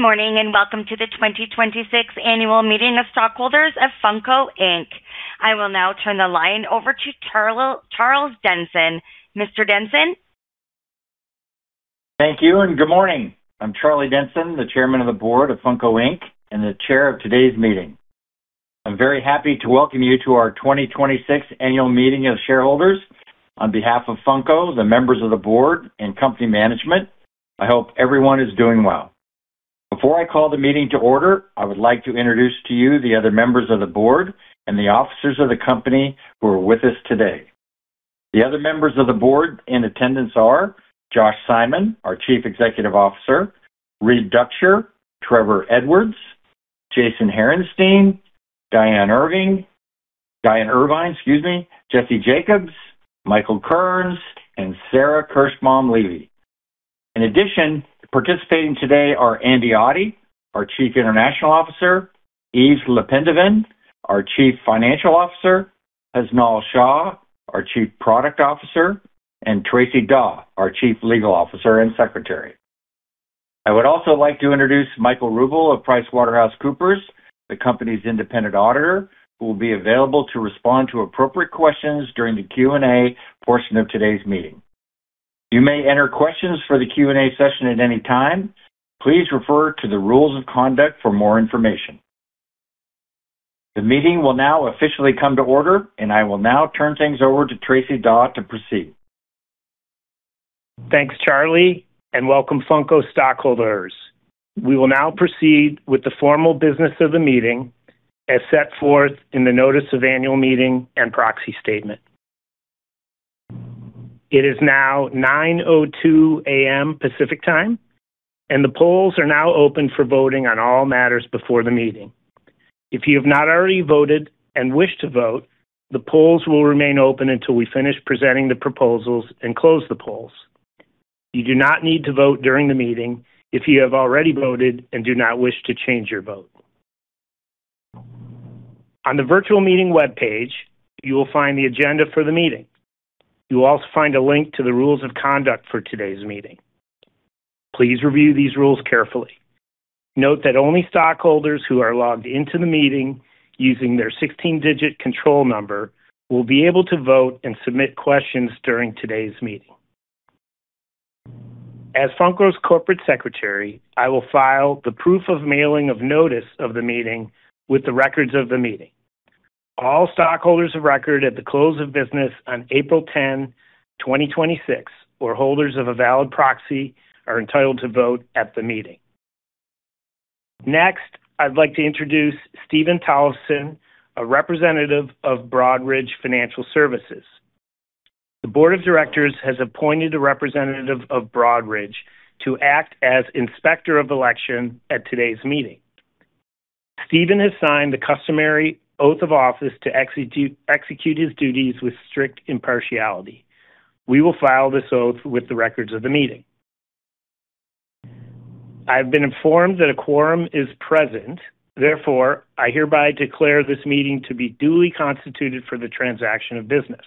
Good morning, welcome to the 2026 Annual Meeting of Stockholders of Funko, Inc. I will now turn the line over to Charles Denson. Mr. Denson? Thank you and good morning. I'm Charles Denson, the Chairman of the Board of Funko, Inc. and the chair of today's meeting. I'm very happy to welcome you to our 2026 Annual Meeting of Shareholders. On behalf of Funko, the members of the board, and company management, I hope everyone is doing well. Before I call the meeting to order, I would like to introduce to you the other members of the board and the officers of the company who are with us today. The other members of the board in attendance are Josh Simon, our Chief Executive Officer, Reed Duchscher, Trevor Edwards, Jason Harinstein, Diane Irvine, Jesse Jacobs, Michael Kerns, and Sarah Kirshbaum Levy. In addition, participating today are Andy Oddie, our Chief International Officer, Yves LePendeven, our Chief Financial Officer, Husnal Shah, our Chief Product Officer, and Tracy Daw, our Chief Legal Officer and Secretary. I would also like to introduce Michael Ruble of PricewaterhouseCoopers, the company's independent auditor, who will be available to respond to appropriate questions during the Q&A portion of today's meeting. You may enter questions for the Q&A session at any time. Please refer to the rules of conduct for more information. The meeting will now officially come to order, and I will now turn things over to Tracy Daw to proceed. Thanks, Charles, and welcome, Funko stockholders. We will now proceed with the formal business of the meeting as set forth in the notice of annual meeting and proxy statement. It is now 9:02 A.M. Pacific Time, and the polls are now open for voting on all matters before the meeting. If you have not already voted and wish to vote, the polls will remain open until we finish presenting the proposals and close the polls. You do not need to vote during the meeting if you have already voted and do not wish to change your vote. On the virtual meeting webpage, you will find the agenda for the meeting. You will also find a link to the rules of conduct for today's meeting. Please review these rules carefully. Note that only stockholders who are logged in to the meeting using their 16-digit control number will be able to vote and submit questions during today's meeting. As Funko's corporate secretary, I will file the proof of mailing of notice of the meeting with the records of the meeting. All stockholders of record at the close of business on April 10, 2026, or holders of a valid proxy, are entitled to vote at the meeting. Next, I'd like to introduce Steven Tolleson, a representative of Broadridge Financial Solutions. The board of directors has appointed a representative of Broadridge to act as Inspector of Election at today's meeting. Steven has signed the customary oath of office to execute his duties with strict impartiality. We will file this oath with the records of the meeting. I have been informed that a quorum is present. Therefore, I hereby declare this meeting to be duly constituted for the transaction of business.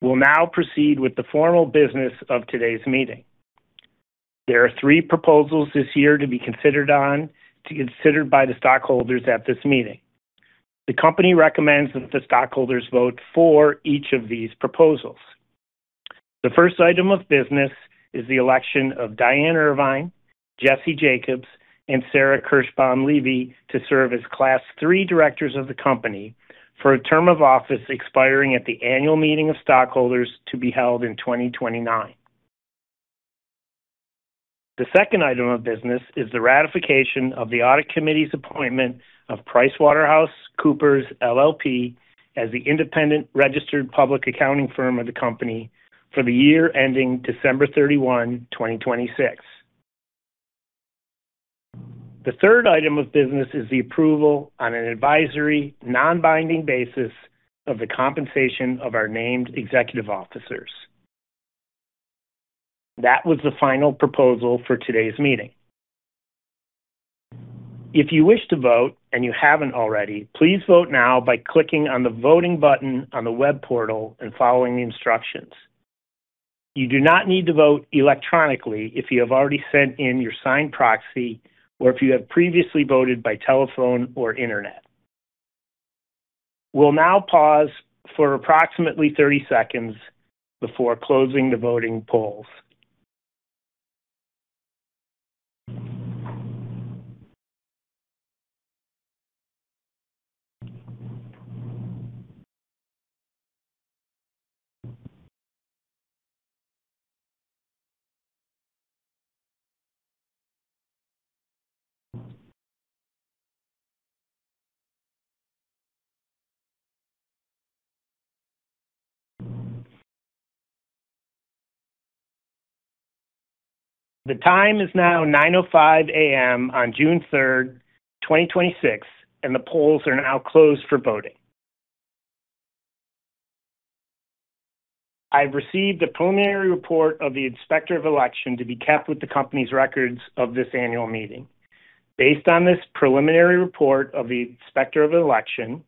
We'll now proceed with the formal business of today's meeting. There are three proposals this year to be considered by the stockholders at this meeting. The company recommends that the stockholders vote for each of these proposals. The first item of business is the election of Diane Irvine, Jesse Jacobs, and Sarah Kirshbaum Levy to serve as Class III directors of the company for a term of office expiring at the annual meeting of stockholders to be held in 2029. The second item of business is the ratification of the audit committee's appointment of PricewaterhouseCoopers LLP as the independent registered public accounting firm of the company for the year ending December 31st, 2026. The third item of business is the approval on an advisory, non-binding basis of the compensation of our named executive officers. That was the final proposal for today's meeting. If you wish to vote and you haven't already, please vote now by clicking on the Voting button on the web portal and following the instructions. You do not need to vote electronically if you have already sent in your signed proxy or if you have previously voted by telephone or internet. We'll now pause for approximately 30 seconds before closing the voting polls. The time is now 9:05 A.M. on June 3rd, 2026, and the polls are now closed for voting. I have received the preliminary report of the Inspector of Election to be kept with the company's records of this annual meeting. Based on this preliminary report of the Inspector of Election,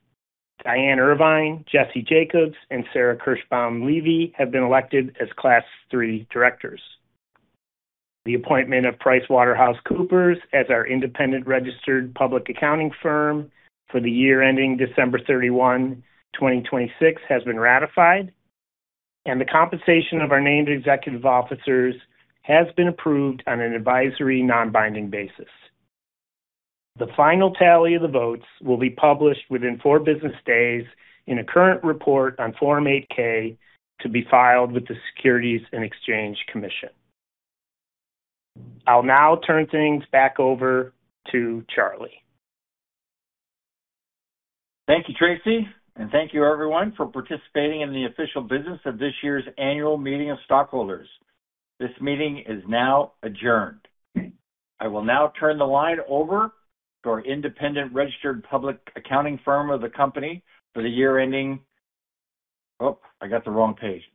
Diane Irvine, Jesse Jacobs, and Sarah Kirshbaum Levy have been elected as Class III directors. The appointment of PricewaterhouseCoopers as our independent registered public accounting firm for the year ending December 31st, 2026 has been ratified, and the compensation of our named executive officers has been approved on an advisory non-binding basis. The final tally of the votes will be published within four business days in a current report on Form 8-K to be filed with the Securities and Exchange Commission. I'll now turn things back over to Charles. Thank you, Tracy, and thank you everyone for participating in the official business of this year's annual meeting of stockholders. This meeting is now adjourned. Oh, I got the wrong page. I will now turn the line over to our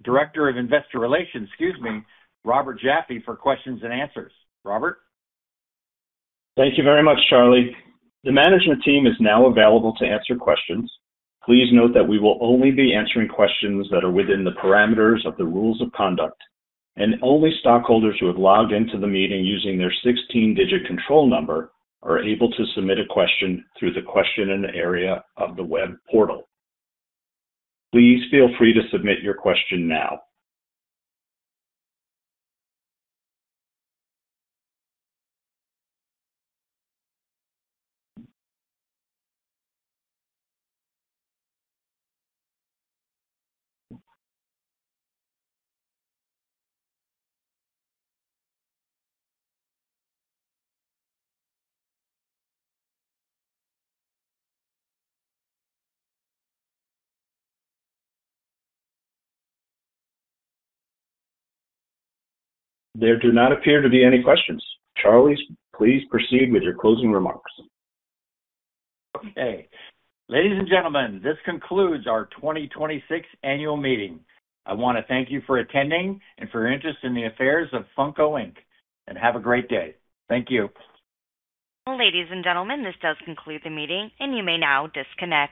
Director of Investor Relations, excuse me, Robert Jaffe, for questions and answers. Robert? Thank you very much, Charles. The management team is now available to answer questions. Please note that we will only be answering questions that are within the parameters of the rules of conduct, and only stockholders who have logged into the meeting using their 16-digit control number are able to submit a question through the question in the area of the web portal. Please feel free to submit your question now. There do not appear to be any questions. Charles, please proceed with your closing remarks. Okay. Ladies and gentlemen, this concludes our 2026 annual meeting. I want to thank you for attending and for your interest in the affairs of Funko, Inc., and have a great day. Thank you. Ladies and gentlemen, this does conclude the meeting. You may now disconnect.